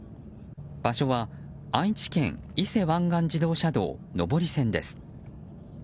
場所は愛知県伊勢湾岸自動車道上り線です。